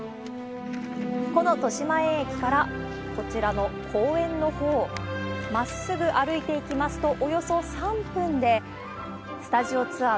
この豊島園駅からこちらの公園のほう、まっすぐ歩いていきますと、およそ３分でスタジオツアー